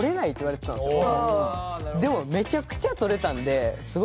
でもめちゃくちゃ獲れたんで。